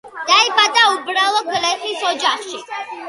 დაიბადა უბრალო გლეხის ოჯახში.